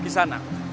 kejahatan yang baik